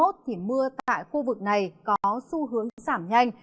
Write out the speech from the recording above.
thì mưa tại khu vực này có xu hướng giảm nhanh